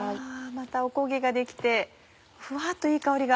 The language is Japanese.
またお焦げが出来てふわっといい香りが。